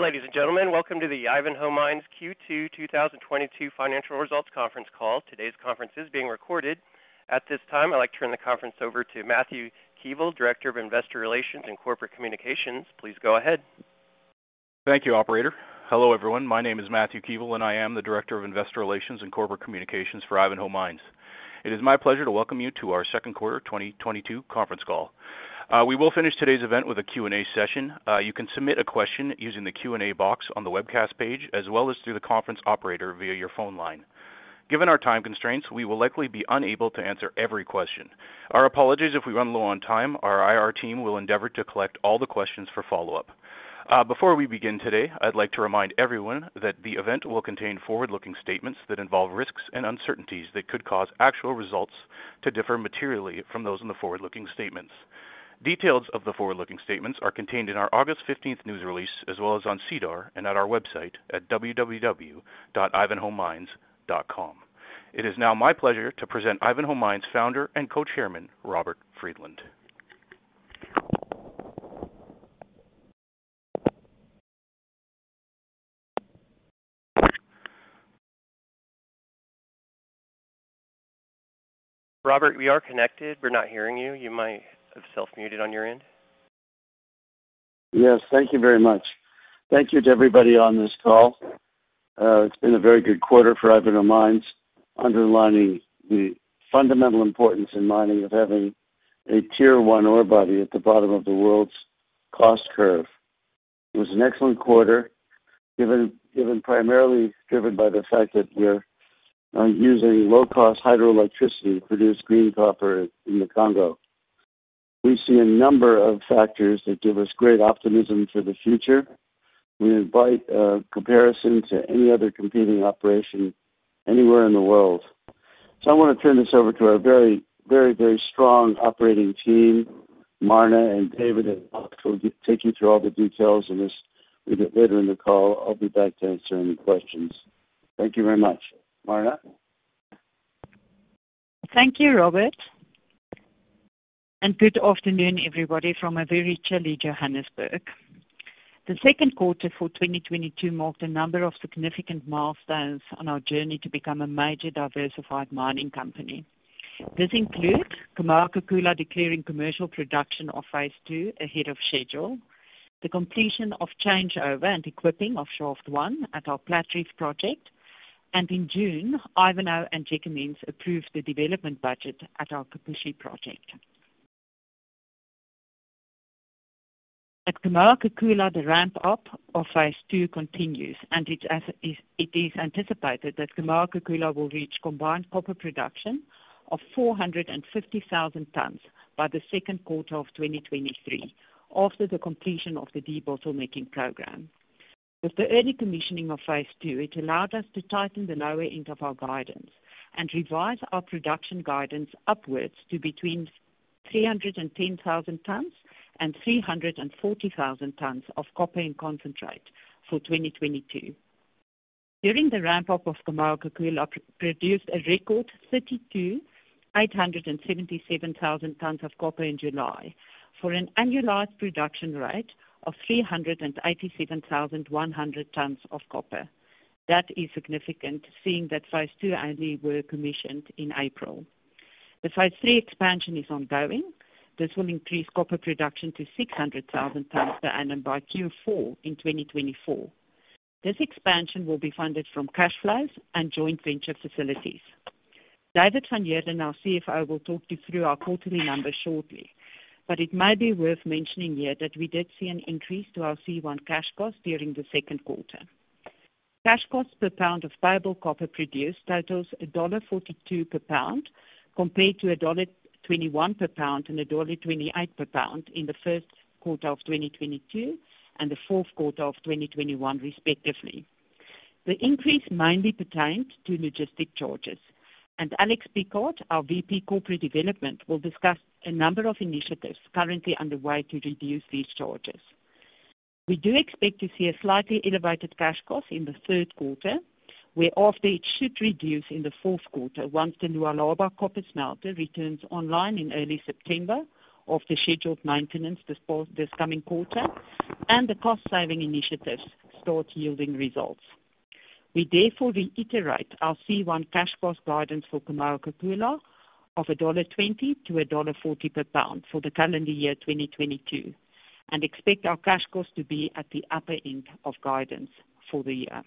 Ladies and gentlemen, welcome to the Ivanhoe Mines Q2 2022 financial results conference call. Today's conference is being recorded. At this time, I'd like to turn the conference over to Matthew Keevil, Director of Investor Relations and Corporate Communications. Please go ahead. Thank you, operator. Hello, everyone. My name is Matthew Keevil, and I am the Director of Investor Relations and Corporate Communications for Ivanhoe Mines. It is my pleasure to welcome you to our second quarter 2022 conference call. We will finish today's event with a Q&A session. You can submit a question using the Q&A box on the webcast page as well as through the conference operator via your phone line. Given our time constraints, we will likely be unable to answer every question. Our apologies if we run low on time. Our IR team will endeavor to collect all the questions for follow-up. Before we begin today, I'd like to remind everyone that the event will contain forward-looking statements that involve risks and uncertainties that could cause actual results to differ materially from those in the forward-looking statements. Details of the forward-looking statements are contained in our August 15th news release, as well as on SEDAR and at our website at www.ivanhoemines.com. It is now my pleasure to present Ivanhoe Mines Founder and Co-Chairman, Robert Friedland. Robert, we are connected. We're not hearing you. You might have self-muted on your end. Yes, thank you very much. Thank you to everybody on this call. It's been a very good quarter for Ivanhoe Mines, underlining the fundamental importance in mining of having a tier one ore body at the bottom of the world's cost curve. It was an excellent quarter, given primarily driven by the fact that we're using low-cost hydroelectricity to produce green copper in the Congo. We see a number of factors that give us great optimism for the future. We invite comparison to any other competing operation anywhere in the world. I wanna turn this over to our very, very, very strong operating team. Marna and David and Alex will take you through all the details of this a bit later in the call. I'll be back to answer any questions. Thank you very much. Marna. Thank you, Robert. Good afternoon, everybody from a very chilly Johannesburg. The second quarter of 2022 marked a number of significant milestones on our journey to become a major diversified mining company. This includes Kamoa-Kakula declaring commercial production of Phase 2 ahead of schedule, the completion of changeover and equipping of Shaft 1 at our Platreef project. In June, Ivanhoe and Gécamines approved the development budget at our Kipushi project. At Kamoa-Kakula, the ramp-up of Phase 2 continues, and it is anticipated that Kamoa-Kakula will reach combined copper production of 450,000 tons by the second quarter of 2023 after the completion of the debottlenecking program. With the early commissioning of Phase 2, it allowed us to tighten the lower end of our guidance and revise our production guidance upwards to between 310,000 tons and 340,000 tons of copper and concentrate for 2022. During the ramp-up of Kamoa-Kakula, produced a record 32,877 tons of copper in July for an annualized production rate of 387,100 tons of copper. That is significant seeing that Phase 2 only were commissioned in April. The Phase 3 expansion is ongoing. This will increase copper production to 600,000 tons per annum by Q4 in 2024. This expansion will be funded from cash flows and joint venture facilities. David van Heerden, our CFO, will talk you through our quarterly numbers shortly, but it may be worth mentioning here that we did see an increase to our C1 cash cost during the second quarter. Cash costs per pound of payable copper produced totals $1.42 per pound, compared to $1.21 per pound and $1.28 per pound in the first quarter of 2022 and the fourth quarter of 2021, respectively. The increase mainly pertained to logistics charges. Alex Pickard, our VP Corporate Development, will discuss a number of initiatives currently underway to reduce these charges. We do expect to see a slightly elevated cash cost in the third quarter, where after it should reduce in the fourth quarter once the Lualaba Copper Smelter returns online in early September after the scheduled maintenance this coming quarter and the cost-saving initiatives start yielding results. We therefore reiterate our C1 cash cost guidance for Kamoa-Kakula of $1.20-$1.40 per pound for the calendar year 2022 and expect our cash cost to be at the upper end of guidance for the year.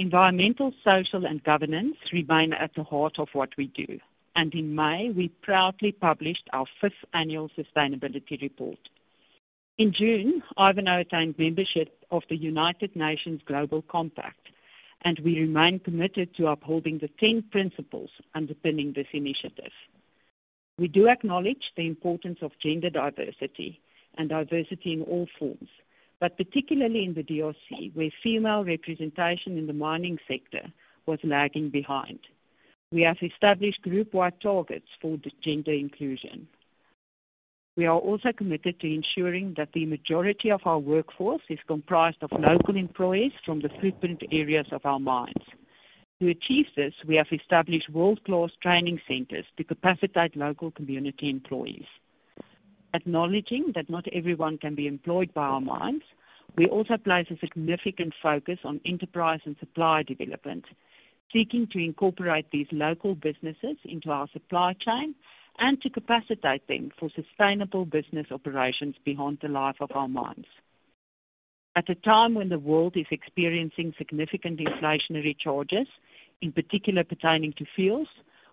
Environmental, social, and governance remain at the heart of what we do. In May, we proudly published our fifth annual sustainability report. In June, Ivanhoe attained membership of the United Nations Global Compact, and we remain committed to upholding the ten principles underpinning this initiative. We do acknowledge the importance of gender diversity and diversity in all forms, but particularly in the DRC, where female representation in the mining sector was lagging behind. We have established group-wide targets for gender inclusion. We are also committed to ensuring that the majority of our workforce is comprised of local employees from the footprint areas of our mines. To achieve this, we have established world-class training centers to capacitate local community employees. Acknowledging that not everyone can be employed by our mines, we also place a significant focus on enterprise and supplier development, seeking to incorporate these local businesses into our supply chain and to capacitate them for sustainable business operations beyond the life of our mines. At a time when the world is experiencing significant inflationary charges, in particular pertaining to fuels,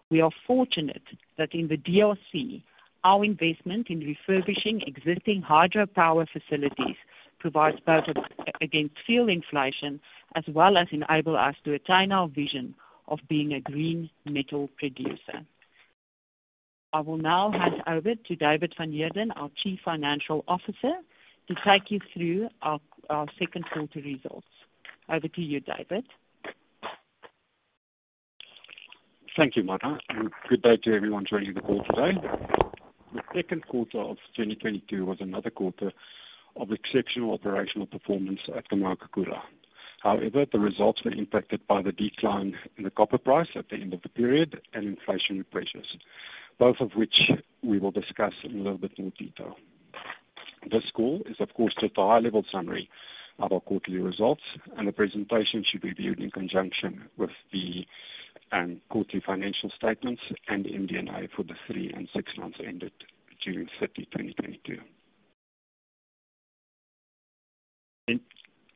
we are fortunate that in the DRC, our investment in refurbishing existing hydropower facilities provides protection against fuel inflation, as well as enable us to attain our vision of being a green metal producer. I will now hand over to David van Heerden, our Chief Financial Officer, to take you through our second quarter results. Over to you, David. Thank you, Marna, and good day to everyone joining the call today. The second quarter of 2022 was another quarter of exceptional operational performance at Kamoa-Kakula. However, the results were impacted by the decline in the copper price at the end of the period and inflationary pressures, both of which we will discuss in a little bit more detail. This call is, of course, just a high-level summary of our quarterly results, and the presentation should be viewed in conjunction with the quarterly financial statements and MD&A for the three and six months ended June 30, 2022.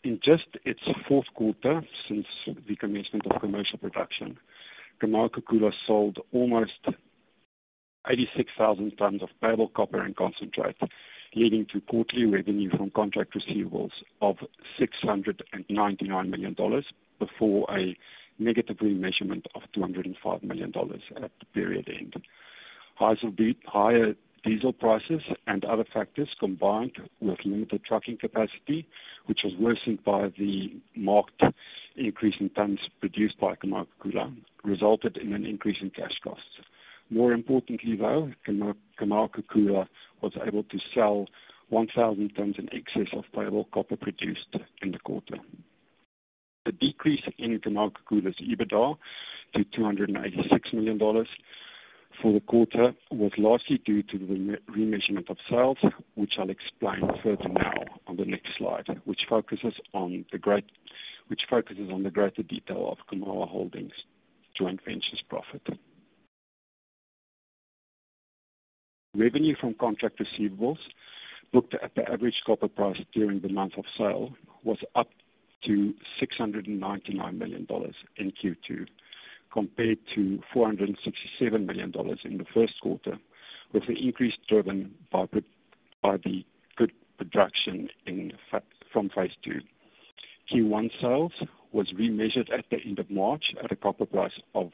In just its fourth quarter since the commencement of commercial production, Kamoa-Kakula sold almost 86,000 tons of payable copper and concentrate, leading to quarterly revenue from contract receivables of $699 million before a negative remeasurement of $205 million at the period end. Higher diesel prices and other factors combined with limited trucking capacity, which was worsened by the marked increase in tons produced by Kamoa-Kakula, resulted in an increase in cash costs. More importantly, though, Kamoa-Kakula was able to sell 1,000 tons in excess of payable copper produced in the quarter. The decrease in Kamoa-Kakula's EBITDA to $286 million for the quarter was largely due to the remeasurement of sales, which I'll explain further now on the next slide, which focuses on the greater detail of Kamoa Holding's joint venture's profit. Revenue from contract receivables booked at the average copper price during the month of sale was up to $699 million in Q2, compared to $467 million in the first quarter, with the increase driven by the good production from Phase 2. Q1 sales was remeasured at the end of March at a copper price of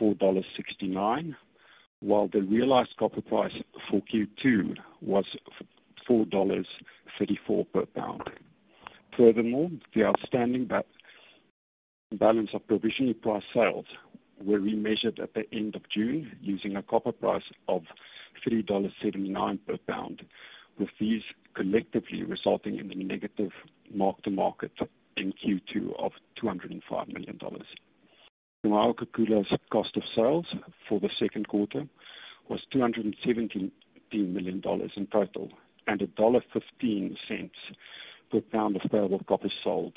$4.69, while the realized copper price for Q2 was $4.34 per pound. Furthermore, the outstanding balance of provisionally priced sales were remeasured at the end of June using a copper price of $3.79 per pound, with these collectively resulting in a negative mark-to-market in Q2 of $205 million. Kamoa-Kakula's cost of sales for the second quarter was $217 million in total, and $1.15 per pound of payable copper sold,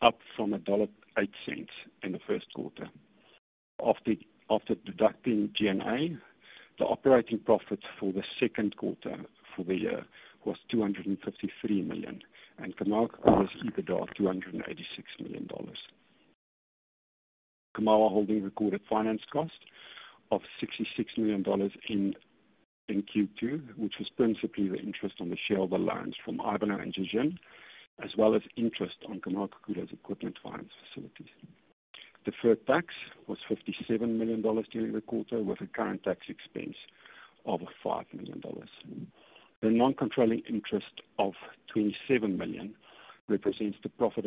up from $1.08 in the first quarter. After deducting G&A, the operating profit for the second quarter for the year was $253 million, and Kamoa-Kakula's EBITDA of $286 million. Kamoa Holding recorded finance cost of $66 million in Q2, which was principally the interest on the share of the loans from Ivanhoe and Zijin, as well as interest on Kamoa-Kakula's equipment finance facilities. Deferred tax was $57 million during the quarter, with a current tax expense of $5 million. The non-controlling interest of $27 million represents the profit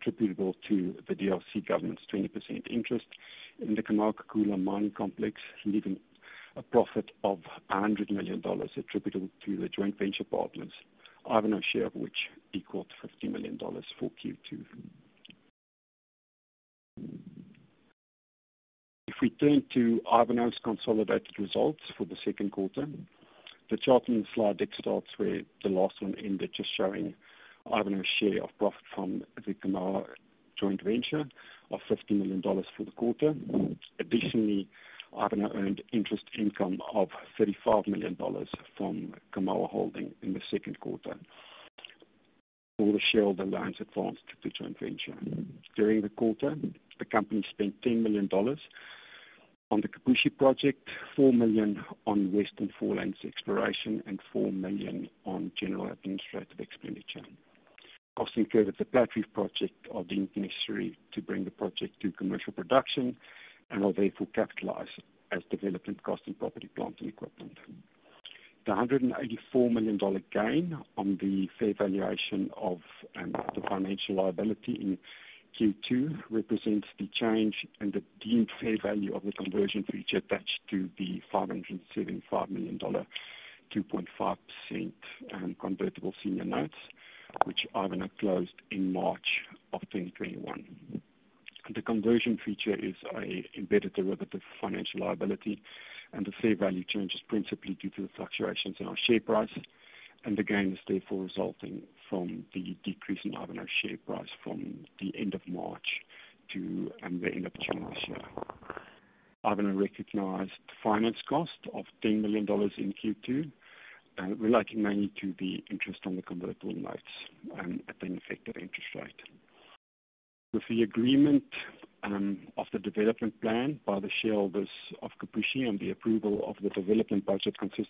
attributable to the DRC government's 20% interest in the Kamoa-Kakula mine complex, leaving a profit of $100 million attributable to the joint venture partners, Ivanhoe's share of which equaled $50 million for Q2. If we turn to Ivanhoe's consolidated results for the second quarter, the chart in the slide deck starts where the last one ended, just showing Ivanhoe's share of profit from the Kamoa joint venture of $50 million for the quarter. Additionally, Ivanhoe earned interest income of $35 million from Kamoa Holding in the second quarter for the share of the loans advanced to the joint venture. During the quarter, the company spent $10 million on the Kipushi project, $4 million on Western Forelands exploration, and $4 million on general administrative expenditure. Costs incurred at the Platreef project are deemed necessary to bring the project to commercial production and are therefore capitalized as development costs and property, plant, and equipment. The $184 million gain on the fair valuation of the financial liability in Q2 represents the change in the deemed fair value of the conversion feature attached to the $575 million 2.5% convertible senior notes, which Ivanhoe closed in March of 2021. The conversion feature is an embedded derivative financial liability, and the fair value change is principally due to the fluctuations in our share price. The gain is therefore resulting from the decrease in Ivanhoe's share price from the end of March to the end of June this year. Ivanhoe recognized finance cost of $10 million in Q2, relating mainly to the interest on the convertible notes at an effective interest rate. With the agreement of the development plan by the shareholders of Kipushi and the approval of the development budget consistent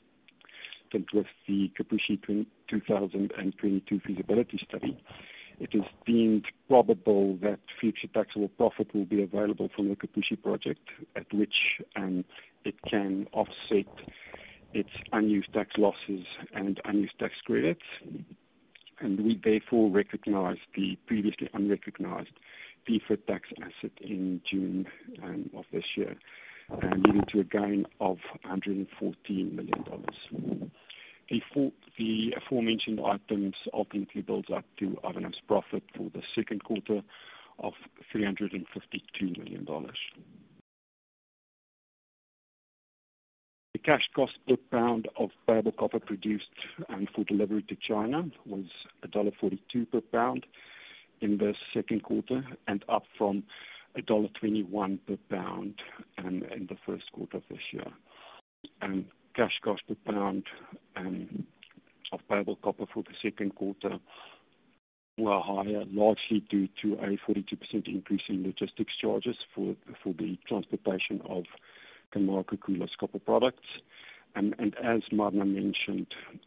with the Kipushi 2022 feasibility study, it is deemed probable that future taxable profit will be available from the Kipushi project at which it can offset its unused tax losses and unused tax credits. We therefore recognize the previously unrecognized deferred tax asset in June of this year, leading to a gain of $114 million. The aforementioned items ultimately builds up to Ivanhoe's profit for the second quarter of $352 million. The cash cost per pound of payable copper produced, for delivery to China was $1.42 per pound in the second quarter, and up from $1.21 per pound, in the first quarter of this year. Cash cost per pound of payable copper for the second quarter were higher, largely due to a 42% increase in logistics charges for the transportation of Kamoa-Kakula's copper products. As Marna mentioned,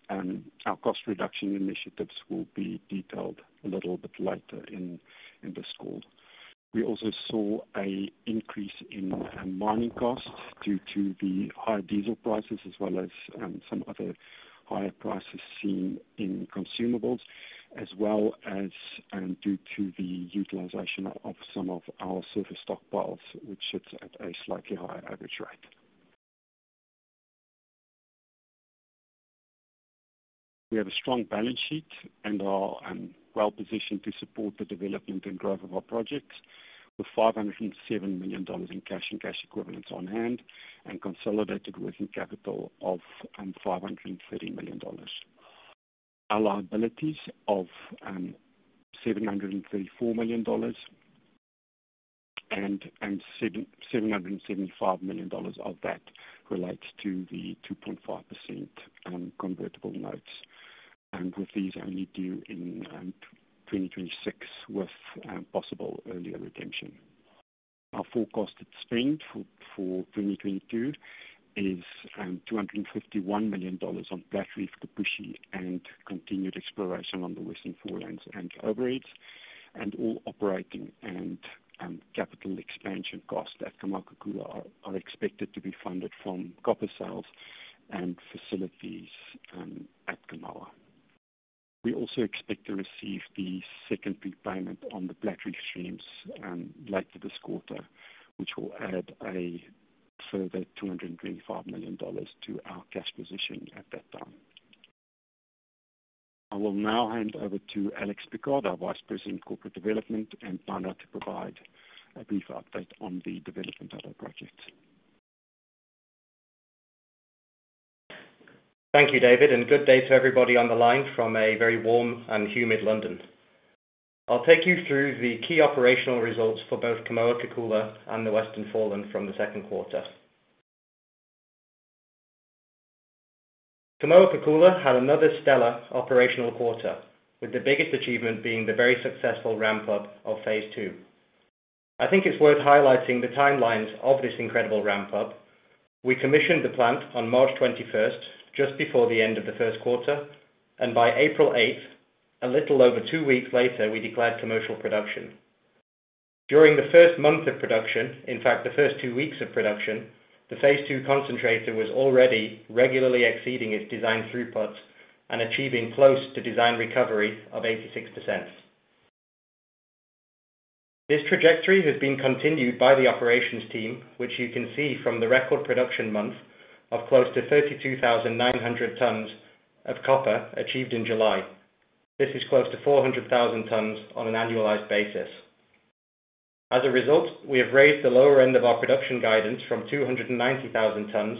our cost reduction initiatives will be detailed a little bit later in this call. We also saw an increase in mining costs due to the high diesel prices as well as some other higher prices seen in consumables, as well as due to the utilization of some of our surface stockpiles, which sits at a slightly higher average rate. We have a strong balance sheet and are well-positioned to support the development and growth of our projects with $507 million in cash and cash equivalents on hand, and consolidated working capital of $530 million. Our liabilities of $734 million and $775 million of that relates to the 2.5% convertible notes, and with these only due in 2026 with possible earlier redemption. Our forecasted spend for 2022 is $251 million on Platreef, Kipushi, and continued exploration on the Western Forelands and overheads, and all operating and capital expansion costs at Kamoa-Kakula are expected to be funded from copper sales and facilities at Kamoa. We also expect to receive the second big payment on the Platreef streams later this quarter, which will add a further $225 million to our cash position at that time. I will now hand over to Alex Pickard, our Vice President of Corporate Development and Finance, to provide a brief update on the development of our projects. Thank you, David, and good day to everybody on the line from a very warm and humid London. I'll take you through the key operational results for both Kamoa-Kakula and the Western Forelands from the second quarter. Kamoa-Kakula had another stellar operational quarter, with the biggest achievement being the very successful ramp-up of Phase 2. I think it's worth highlighting the timelines of this incredible ramp-up. We commissioned the plant on March 21st, just before the end of the first quarter. By April 8th, a little over two weeks later, we declared commercial production. During the first month of production, in fact, the first two weeks of production, the Phase 2 concentrator was already regularly exceeding its design throughputs and achieving close to design recovery of 86%. This trajectory has been continued by the operations team, which you can see from the record production month of close to 32,900 tons of copper achieved in July. This is close to 400,000 tons on an annualized basis. As a result, we have raised the lower end of our production guidance from 290,000 tons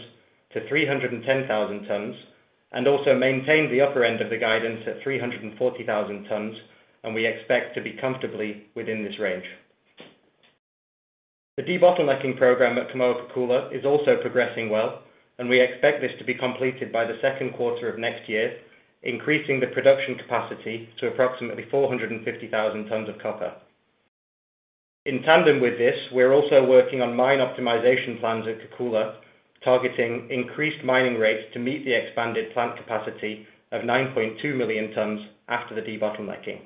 to 310,000 tons, and also maintained the upper end of the guidance at 340,000 tons, and we expect to be comfortably within this range. The debottlenecking program at Kamoa-Kakula is also progressing well, and we expect this to be completed by the second quarter of next year, increasing the production capacity to approximately 450,000 tons of copper. In tandem with this, we're also working on mine optimization plans at Kakula, targeting increased mining rates to meet the expanded plant capacity of 9.2 million tons after the debottlenecking.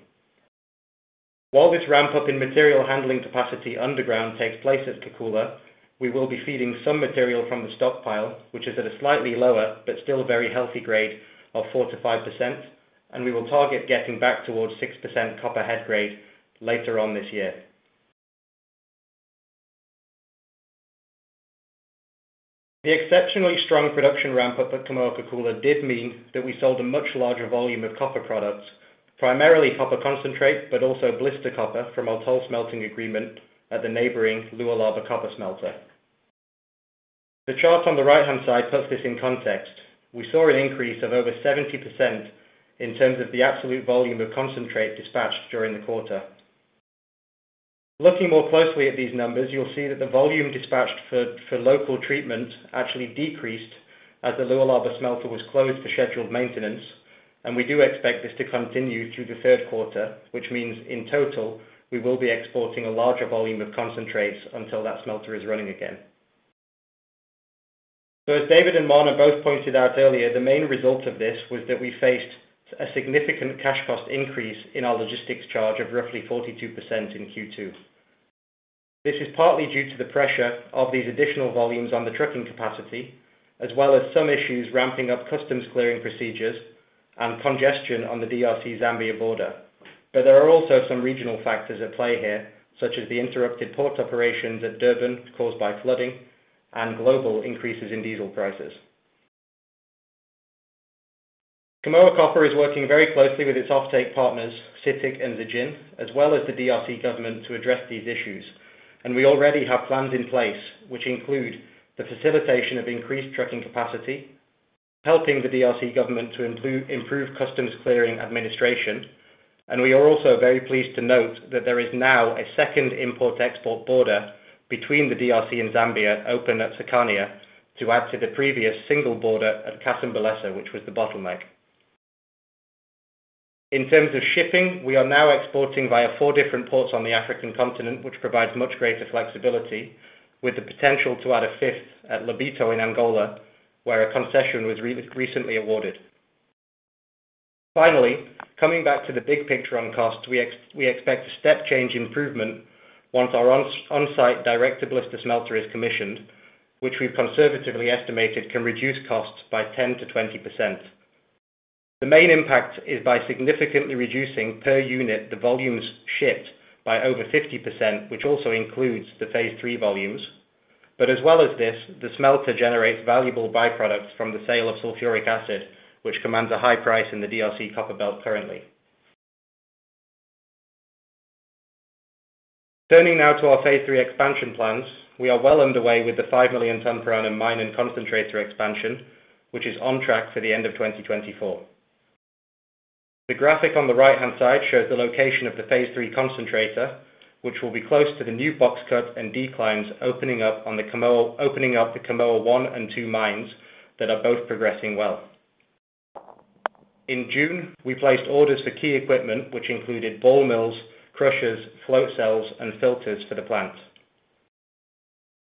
While this ramp-up in material handling capacity underground takes place at Kakula, we will be feeding some material from the stockpile, which is at a slightly lower but still very healthy grade of 4%-5%, and we will target getting back towards 6% copper head grade later on this year. The exceptionally strong production ramp-up at Kamoa-Kakula did mean that we sold a much larger volume of copper products, primarily copper concentrate, but also blister copper from our toll smelting agreement at the neighboring Lualaba Copper Smelter. The chart on the right-hand side puts this in context. We saw an increase of over 70% in terms of the absolute volume of concentrate dispatched during the quarter. Looking more closely at these numbers, you'll see that the volume dispatched for local treatment actually decreased as the Lualaba Smelter was closed for scheduled maintenance, and we do expect this to continue through the third quarter, which means in total, we will be exporting a larger volume of concentrates until that smelter is running again. As David and Marna both pointed out earlier, the main result of this was that we faced a significant cash cost increase in our logistics charge of roughly 42% in Q2. This is partly due to the pressure of these additional volumes on the trucking capacity, as well as some issues ramping up customs clearing procedures and congestion on the DRC-Zambia border. There are also some regional factors at play here, such as the interrupted port operations at Durban caused by flooding and global increases in diesel prices. Kamoa Copper is working very closely with its offtake partners, CITIC and Zijin, as well as the DRC government to address these issues, and we already have plans in place which include the facilitation of increased trucking capacity, helping the DRC government to improve customs clearing administration. We are also very pleased to note that there is now a second import/export border between the DRC and Zambia open at Sakania to add to the previous single border at Kasumbalesa, which was the bottleneck. In terms of shipping, we are now exporting via four different ports on the African continent, which provides much greater flexibility, with the potential to add a fifth at Lobito in Angola, where a concession was recently awarded. Finally, coming back to the big picture on cost, we expect a step change improvement once our on-site direct-to-blister smelter is commissioned, which we've conservatively estimated can reduce costs by 10%-20%. The main impact is by significantly reducing per unit, the volumes shipped by over 50%, which also includes the Phase 3 volumes. As well as this, the smelter generates valuable byproducts from the sale of sulfuric acid, which commands a high price in the DRC copper belt currently. Turning now to our Phase 3 expansion plans. We are well underway with the 5 million tons per annum mine and concentrator expansion, which is on track for the end of 2024. The graphic on the right-hand side shows the location of the Phase 3 concentrator, which will be close to the new box cut and declines opening up the Kamoa 1 and 2 mines that are both progressing well. In June, we placed orders for key equipment, which included ball mills, crushers, float cells, and filters for the plant.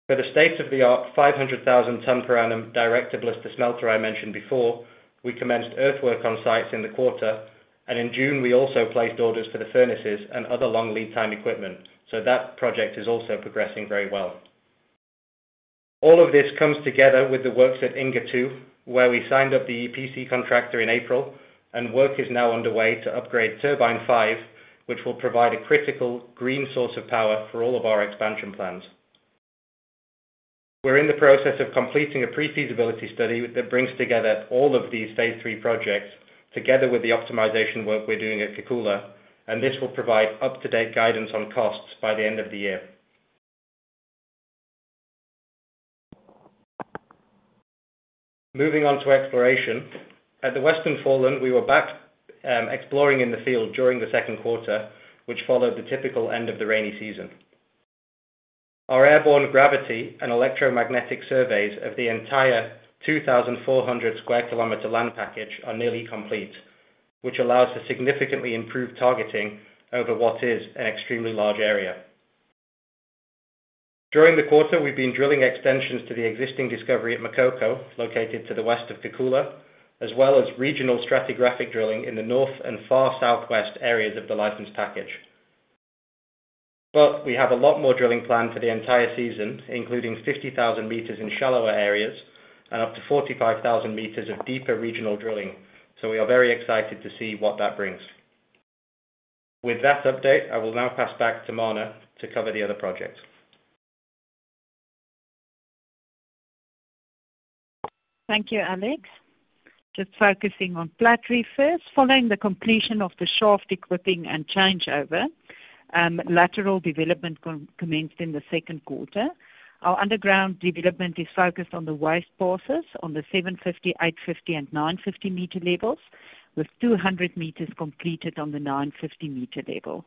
For the state-of-the-art 500,000 ton per annum direct-to-blister smelter I mentioned before, we commenced earthwork on sites in the quarter, and in June, we also placed orders for the furnaces and other long lead time equipment, so that project is also progressing very well. All of this comes together with the works at Inga II, where we signed up the EPC contractor in April, and work is now underway to upgrade Turbine 5, which will provide a critical green source of power for all of our expansion plans. We're in the process of completing a pre-feasibility study that brings together all of these Phase 3 projects together with the optimization work we're doing at Kakula, and this will provide up-to-date guidance on costs by the end of the year. Moving on to exploration. At the Western Forelands, we were back exploring in the field during the second quarter, which followed the typical end of the rainy season. Our airborne gravity and electromagnetic surveys of the entire 2,400 sq km land package are nearly complete, which allows for significantly improved targeting over what is an extremely large area. During the quarter, we've been drilling extensions to the existing discovery at Makoko, located to the west of Kakula, as well as regional stratigraphic drilling in the north and far southwest areas of the license package. We have a lot more drilling planned for the entire season, including 50,000 m in shallower areas and up to 45,000 m of deeper regional drilling, so we are very excited to see what that brings. With that update, I will now pass back to Marna to cover the other projects. Thank you, Alex. Just focusing on Platreef first. Following the completion of the shaft equipping and changeover, lateral development commenced in the second quarter. Our underground development is focused on the waste passes on the 750 m, 850 m, and 950 m levels with 200 m completed on the 950 m level.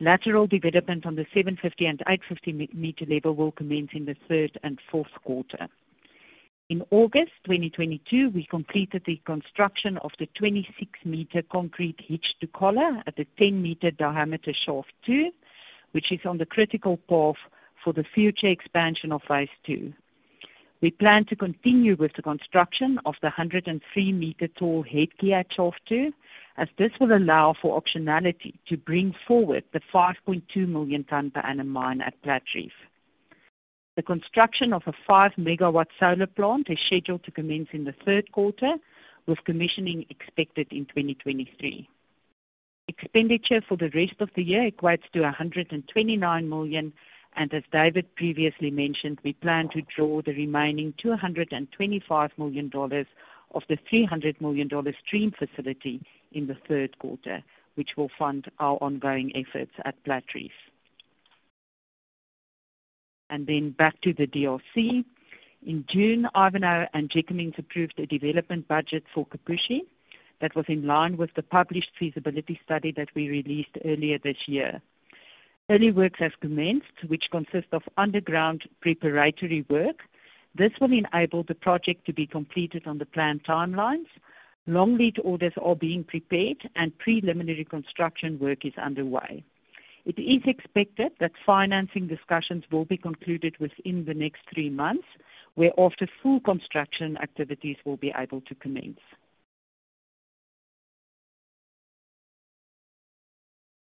Lateral development on the 750 m and 850 m level will commence in the third and fourth quarter. In August 2022, we completed the construction of the 26 m concrete hitch to collar at the 10 m diameter Shaft 2, which is on the critical path for the future expansion of Phase 2. We plan to continue with the construction of the 103 m tall headgear at Shaft 2, as this will allow for optionality to bring forward the 5.2 million ton per annum mine at Platreef. The construction of a 5 MW solar plant is scheduled to commence in the third quarter, with commissioning expected in 2023. Expenditure for the rest of the year equates to $129 million. As David previously mentioned, we plan to draw the remaining $225 million of the $300 million stream facility in the third quarter, which will fund our ongoing efforts at Platreef. Back to the DRC. In June, Ivanhoe and Zijin approved a development budget for Kipushi that was in line with the published feasibility study that we released earlier this year. Early works have commenced, which consist of underground preparatory work. This will enable the project to be completed on the planned timelines. Long lead orders are being prepared and preliminary construction work is underway. It is expected that financing discussions will be concluded within the next three months, whereafter full construction activities will be able to commence.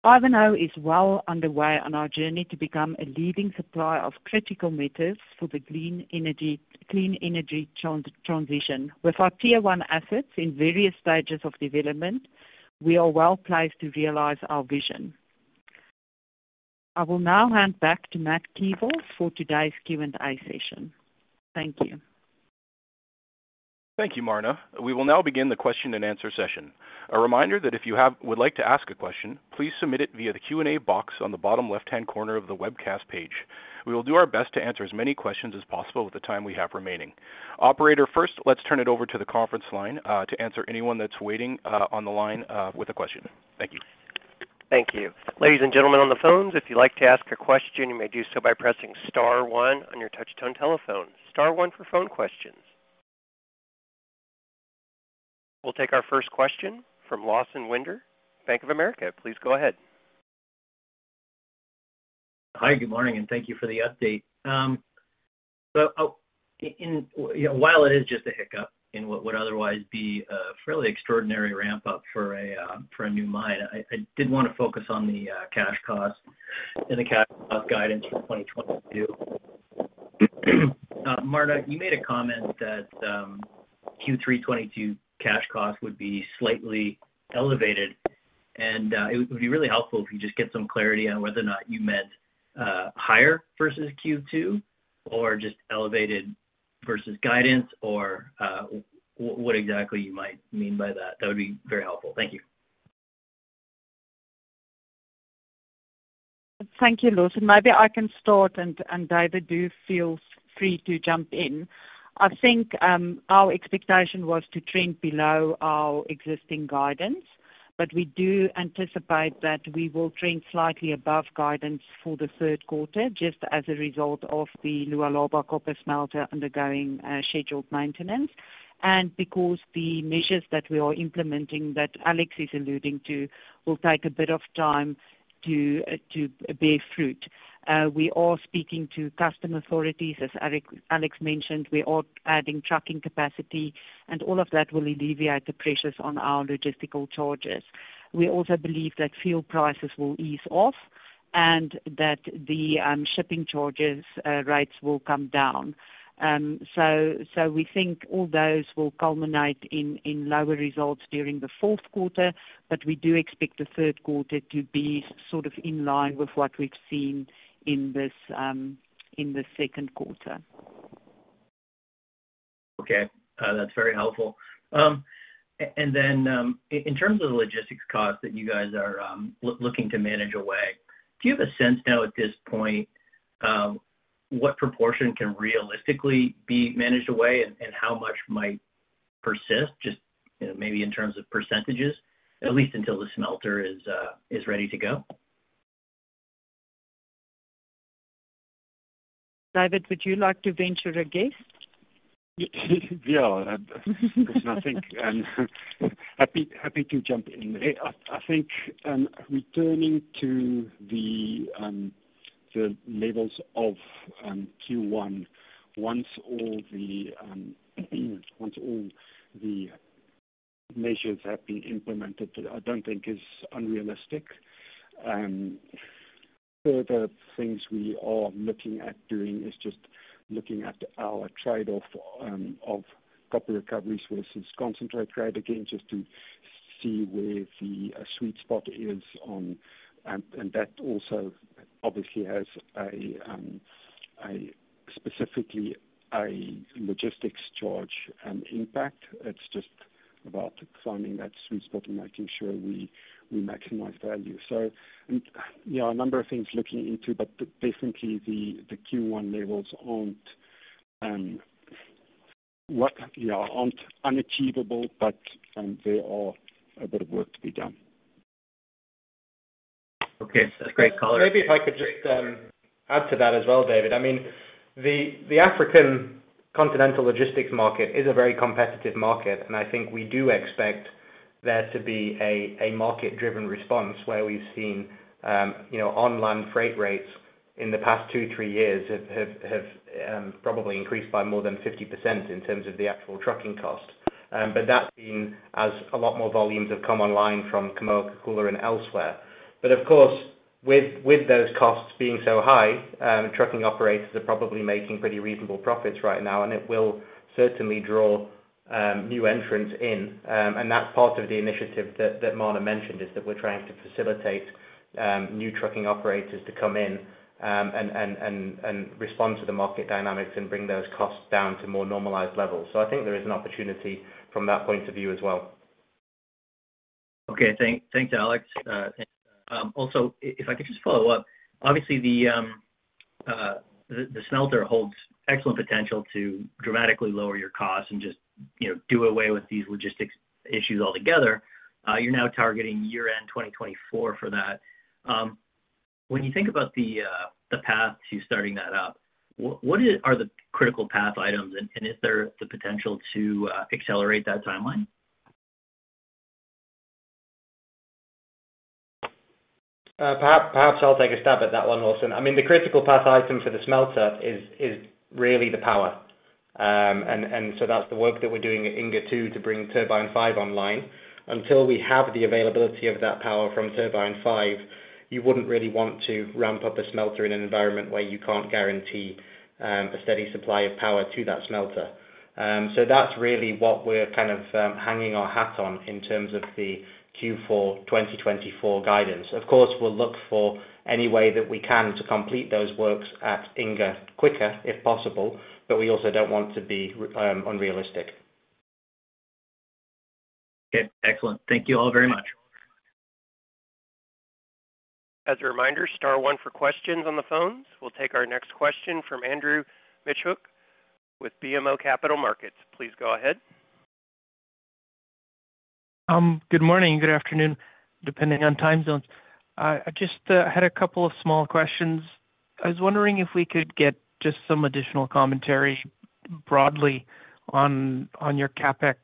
Ivanhoe is well underway on our journey to become a leading supplier of critical metals for the clean energy transition. With our tier-one assets in various stages of development, we are well-placed to realize our vision. I will now hand back to Matthew Keevil for today's Q&A session. Thank you. Thank you, Marna. We will now begin the question-and-answer session. A reminder that if you would like to ask a question, please submit it via the Q&A box on the bottom left-hand corner of the webcast page. We will do our best to answer as many questions as possible with the time we have remaining. Operator, first, let's turn it over to the conference line to answer anyone that's waiting on the line with a question. Thank you. Thank you. Ladies and gentlemen on the phones, if you'd like to ask a question, you may do so by pressing star one on your touch tone telephone. Star one for phone questions. We'll take our first question from Lawson Winder, Bank of America. Please go ahead. Hi, good morning, and thank you for the update. While it is just a hiccup in what would otherwise be a fairly extraordinary ramp-up for a new mine, I did wanna focus on the cash cost and the cash cost guidance for 2022. Marna, you made a comment that Q3 2022 cash costs would be slightly elevated, and it would be really helpful if you just get some clarity on whether or not you meant higher versus Q2 or just elevated versus guidance or what exactly you might mean by that. That would be very helpful. Thank you. Thank you, Lawson. Maybe I can start, and David do feel free to jump in. I think our expectation was to trend below our existing guidance, but we do anticipate that we will trend slightly above guidance for the third quarter, just as a result of the Lualaba Copper Smelter undergoing scheduled maintenance. Because the measures that we are implementing that Alex is alluding to will take a bit of time to bear fruit. We are speaking to customs authorities, as Alex mentioned, we are adding trucking capacity, and all of that will alleviate the pressures on our logistical charges. We also believe that fuel prices will ease off and that the shipping charges rates will come down. We think all those will culminate in lower results during the fourth quarter, but we do expect the third quarter to be sort of in line with what we've seen in this in the second quarter. Okay. That's very helpful. In terms of the logistics cost that you guys are looking to manage away, do you have a sense now at this point what proportion can realistically be managed away and how much might persist, just you know maybe in terms of percentages, at least until the smelter is ready to go? David, would you like to venture a guess? Yeah. Listen, I think happy to jump in. I think returning to the levels of Q1 once all the measures have been implemented, I don't think is unrealistic. Further things we are looking at doing is just looking at our trade-off of copper recoveries versus concentrate grade. Again, just to see where the sweet spot is. That also obviously has a specific logistics charge impact. It's just about finding that sweet spot and making sure we maximize value. There are a number of things looking into, but definitely the Q1 levels aren't what you know aren't unachievable, but there is a bit of work to be done. Okay. That's great color. Maybe if I could just add to that as well, David. I mean, the African continental logistics market is a very competitive market, and I think we do expect there to be a market-driven response where we've seen, you know, online freight rates in the past two to three years have probably increased by more than 50% in terms of the actual trucking cost. But that's been as a lot more volumes have come online from Kamoa-Kakula, and elsewhere. But of course, with those costs being so high, trucking operators are probably making pretty reasonable profits right now, and it will certainly draw new entrants in. That's part of the initiative that Marna mentioned, is that we're trying to facilitate new trucking operators to come in and respond to the market dynamics and bring those costs down to more normalized levels. I think there is an opportunity from that point of view as well. Okay. Thanks, Alex. Also, if I could just follow up, obviously the smelter holds excellent potential to dramatically lower your costs and just, you know, do away with these logistics issues altogether. You're now targeting year-end 2024 for that. When you think about the path to starting that up, what are the critical path items, and is there the potential to accelerate that timeline? Perhaps I'll take a stab at that one, Wilson. I mean, the critical path item for the smelter is really the power. That's the work that we're doing at Inga II to bring Turbine 5 online. Until we have the availability of that power from Turbine 5, you wouldn't really want to ramp up a smelter in an environment where you can't guarantee a steady supply of power to that smelter. That's really what we're kind of hanging our hat on in terms of the Q4 2024 guidance. Of course, we'll look for any way that we can to complete those works at Inga quicker, if possible. We also don't want to be unrealistic. Okay. Excellent. Thank you all very much. As a reminder, star one for questions on the phones. We'll take our next question from Andrew Mikitchook with BMO Capital Markets. Please go ahead. Good morning, good afternoon, depending on time zones. I just had a couple of small questions. I was wondering if we could get just some additional commentary broadly on your CapEx,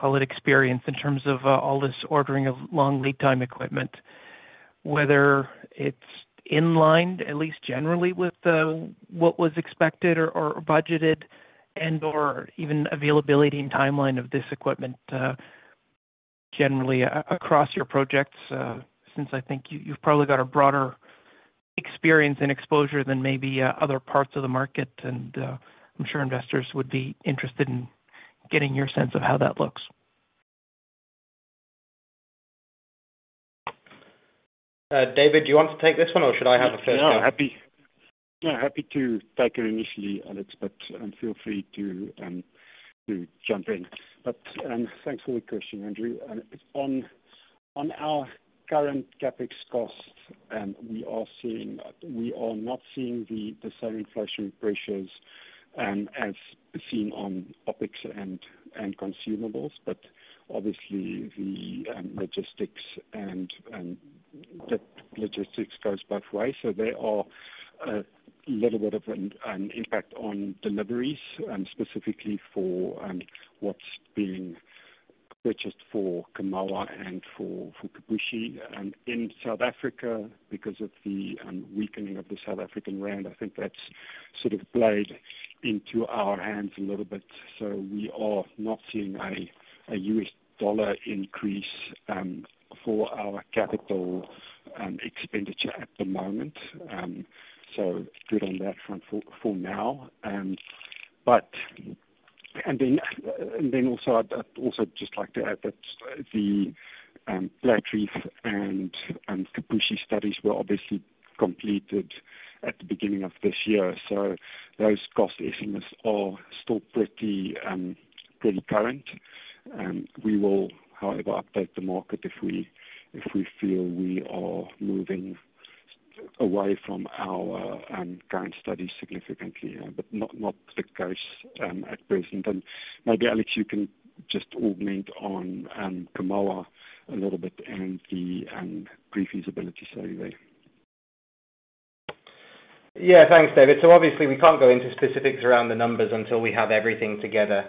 call it experience, in terms of all this ordering of long lead time equipment, whether it's in line, at least generally, with what was expected or budgeted and/or even availability and timeline of this equipment, generally across your projects, since I think you've probably got a broader experience and exposure than maybe other parts of the market. I'm sure investors would be interested in getting your sense of how that looks. David, do you want to take this one, or should I have a first crack? Happy to take it initially, Alex, but feel free to jump in. Thanks for the question, Andrew. On our current CapEx costs, we are not seeing the same inflationary pressures as seen on topics and consumables, but obviously the logistics goes both ways. There are a little bit of an impact on deliveries, specifically for what's being purchased for Kamoa and for Kipushi in South Africa because of the weakening of the South African rand. I think that's sort of played into our hands a little bit. We are not seeing a U.S. dollar increase for our capital expenditure at the moment. Good on that front for now. I'd also just like to add that the Platreef and Kipushi studies were obviously completed at the beginning of this year, so those cost estimates are still pretty current. We will, however, update the market if we feel we are moving away from our current studies significantly, but not the case at present. Maybe, Alex, you can just comment on Kamoa a little bit and the pre-feasibility study. Yeah. Thanks, David. Obviously we can't go into specifics around the numbers until we have everything together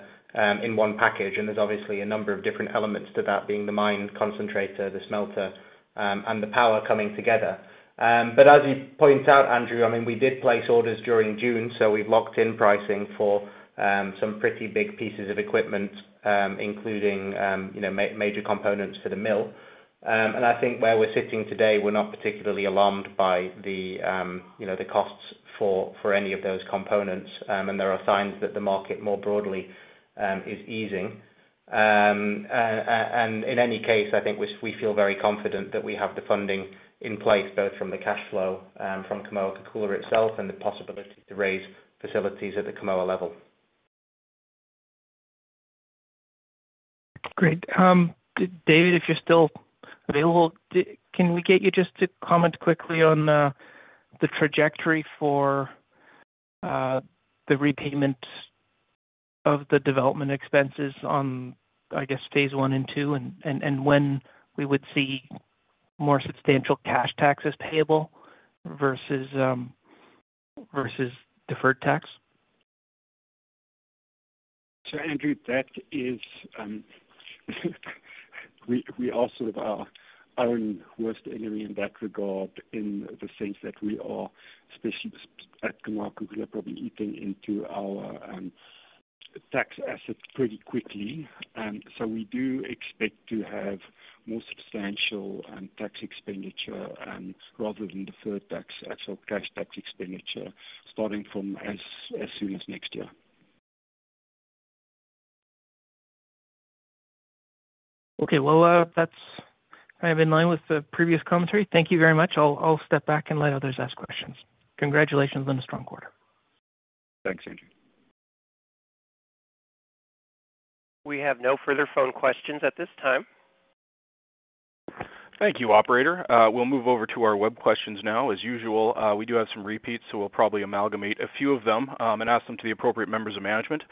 in one package. There's obviously a number of different elements to that being the mine concentrator, the smelter, and the power coming together. But as you pointed out, Andrew, I mean, we did place orders during June, so we've locked in pricing for some pretty big pieces of equipment, including you know, major components for the mill. I think where we're sitting today, we're not particularly alarmed by the you know, the costs for any of those components. There are signs that the market more broadly is easing. In any case, I think we feel very confident that we have the funding in place, both from the cash flow from Kamoa-Kakula itself and the possibility to raise facilities at the Kamoa level. Great. David, if you're still available, can we get you just to comment quickly on the trajectory for the repayment of the development expenses on, I guess, phase one and two and when we would see more substantial cash taxes payable versus deferred tax? Andrew, we are sort of our own worst enemy in that regard in the sense that we are, especially at Kamoa-Kakula, probably eating into our, The tax assets pretty quickly. We do expect to have more substantial tax expenditure rather than deferred tax. Cash tax expenditure starting from as soon as next year. Okay. Well, that's kind of in line with the previous commentary. Thank you very much. I'll step back and let others ask questions. Congratulations on a strong quarter. Thanks, Andrew. We have no further phone questions at this time. Thank you, operator. We'll move over to our web questions now. As usual, we do have some repeats, so we'll probably amalgamate a few of them, and ask them to the appropriate members of management.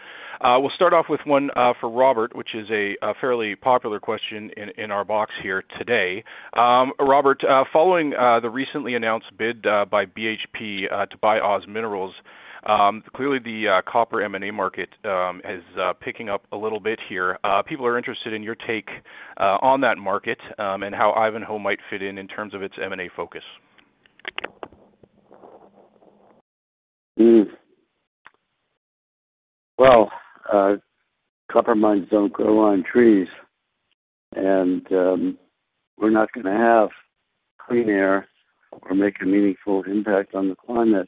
We'll start off with one for Robert, which is a fairly popular question in our box here today. Robert, following the recently announced bid by BHP to buy OZ Minerals, clearly the copper M&A market is picking up a little bit here. People are interested in your take on that market, and how Ivanhoe might fit in terms of its M&A focus. Well, copper mines don't grow on trees, and we're not gonna have clean air or make a meaningful impact on the climate,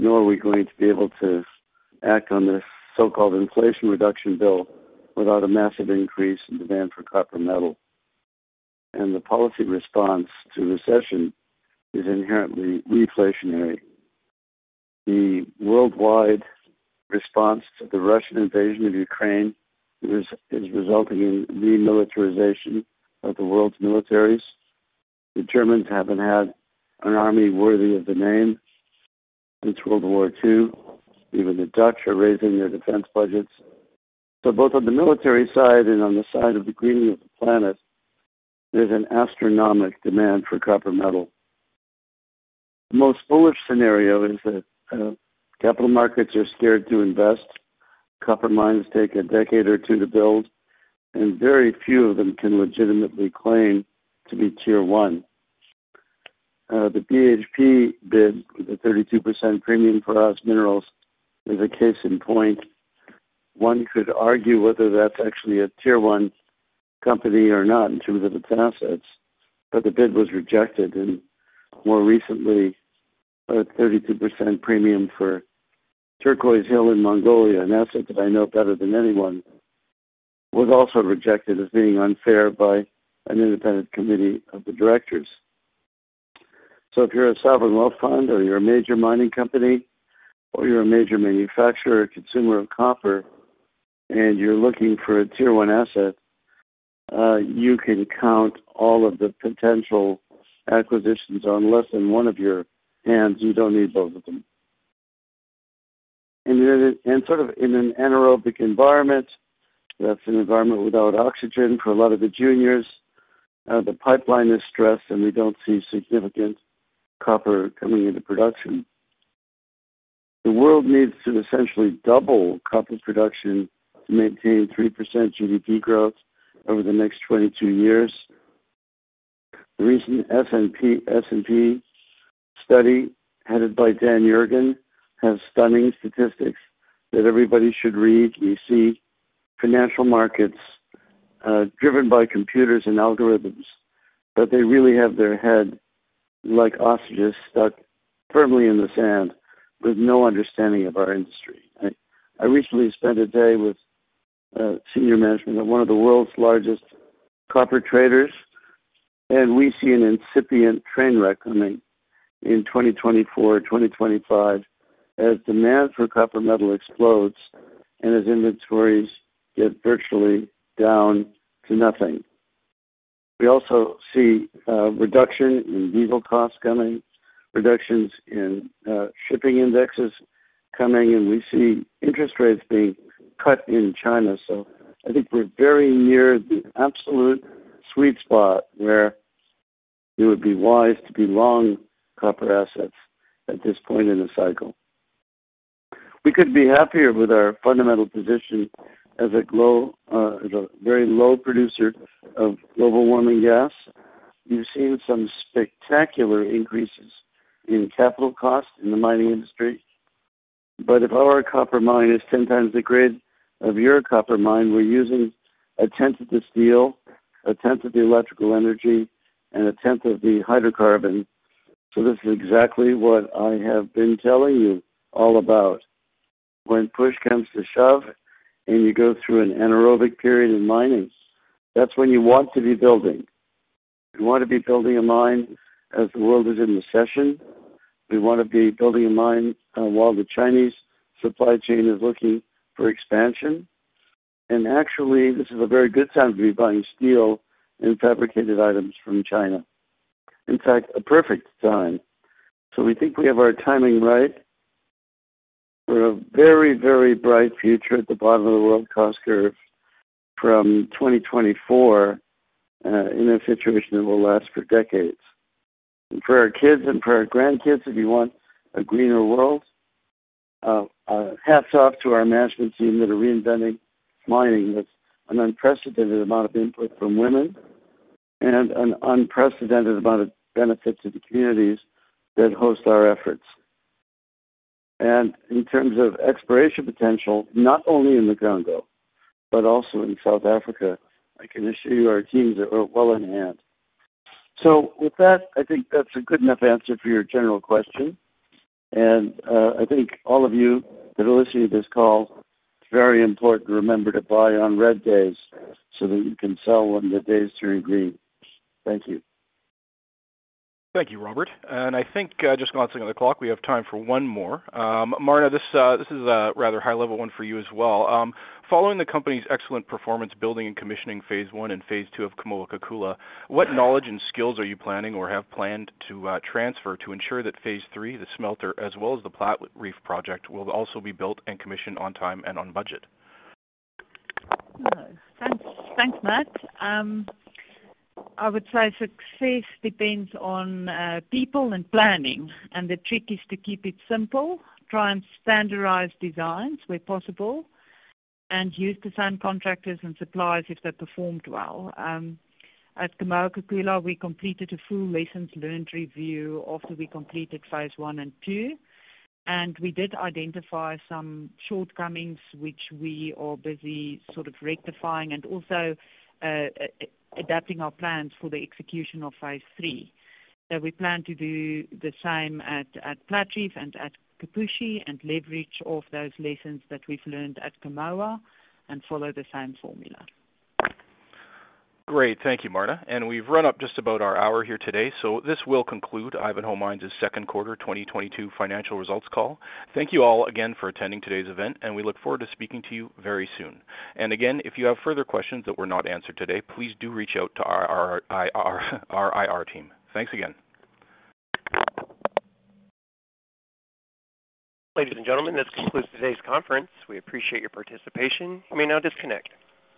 nor are we going to be able to act on this so-called Inflation Reduction Act without a massive increase in demand for copper metal. The policy response to recession is inherently deflationary. The worldwide response to the Russian invasion of Ukraine is resulting in remilitarization of the world's militaries. The Germans haven't had an army worthy of the name since World War II. Even the Dutch are raising their defense budgets. Both on the military side and on the side of the greening of the planet, there's an astronomical demand for copper metal. The most bullish scenario is that capital markets are scared to invest. Copper mines take a decade or two to build, and very few of them can legitimately claim to be tier one. The BHP bid with a 32% premium for OZ Minerals is a case in point. One could argue whether that's actually a tier one company or not in terms of its assets, but the bid was rejected. More recently, a 32% premium for Turquoise Hill in Mongolia, an asset that I know better than anyone, was also rejected as being unfair by an independent committee of the directors. If you're a sovereign wealth fund or you're a major mining company, or you're a major manufacturer or consumer of copper, and you're looking for a tier one asset, you can count all of the potential acquisitions on less than one of your hands. You don't need both of them. Sort of in an anaerobic environment, that's an environment without oxygen for a lot of the juniors, the pipeline is stressed, and we don't see significant copper coming into production. The world needs to essentially double copper production to maintain 3% GDP growth over the next 22 years. The recent S&P study headed by Daniel Yergin has stunning statistics that everybody should read. We see financial markets driven by computers and algorithms, but they really have their head like ostriches stuck firmly in the sand with no understanding of our industry. I recently spent a day with senior management at one of the world's largest copper traders, and we see an incipient train wreck coming in 2024, 2025 as demand for copper metal explodes and as inventories get virtually down to nothing. We also see reduction in diesel costs coming, reductions in shipping indexes coming, and we see interest rates being cut in China. I think we're very near the absolute sweet spot where it would be wise to be long copper assets at this point in the cycle. We could be happier with our fundamental position as a low as a very low producer of global warming gas. You've seen some spectacular increases in capital costs in the mining industry. If our copper mine is 10 times the grade of your copper mine, we're using a tenth of the steel, a tenth of the electrical energy, and a tenth of the hydrocarbon. This is exactly what I have been telling you all about. When push comes to shove and you go through an anemic period in mining, that's when you want to be building. You want to be building a mine as the world is in recession. We wanna be building a mine, while the Chinese supply chain is looking for expansion. Actually, this is a very good time to be buying steel and fabricated items from China. In fact, a perfect time. We think we have our timing right for a very, very bright future at the bottom of the world cost curve from 2024, in a situation that will last for decades. For our kids and for our grandkids, if you want a greener world, hats off to our management team that are reinventing mining with an unprecedented amount of input from women and an unprecedented amount of benefit to the communities that host our efforts. In terms of exploration potential, not only in the Congo, but also in South Africa, I can assure you our teams are well enhanced. With that, I think that's a good enough answer for your general question. I think all of you that are listening to this call, it's very important to remember to buy on red days so that you can sell on the days turning green. Thank you. Thank you, Robert. I think, just glancing at the clock, we have time for one more. Marna, this is a rather high-level one for you as well. Following the company's excellent performance building and commissioning phase one and Phase 2 of Kamoa-Kakula, what knowledge and skills are you planning or have planned to transfer to ensure that Phase 3, the smelter, as well as the Platreef project, will also be built and commissioned on time and on budget? Thanks. Thanks, Matt. I would say success depends on people and planning, and the trick is to keep it simple, try and standardize designs where possible, and use the same contractors and suppliers if they performed well. At Kamoa-Kakula, we completed a full lessons learned review after we completed phase 1 and 2, and we did identify some shortcomings, which we are busy sort of rectifying and also adapting our plans for the execution of phase 3. We plan to do the same at Platreef and at Kipushi and leverage off those lessons that we've learned at Kamoa and follow the same formula. Great. Thank you, Marna. We've run up just about our hour here today, so this will conclude Ivanhoe Mines' second quarter 2022 financial results call. Thank you all again for attending today's event, and we look forward to speaking to you very soon. Again, if you have further questions that were not answered today, please do reach out to our IR team. Thanks again. Ladies and gentlemen, this concludes today's conference. We appreciate your participation. You may now disconnect.